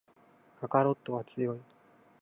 カカロットは強い